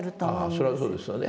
ああそれはそうですよね